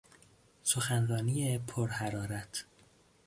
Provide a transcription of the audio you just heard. سخنرانی پر حرارت